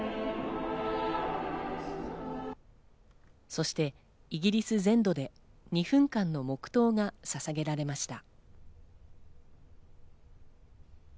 そしてイギリス全土で２分間の黙とうが捧げられました。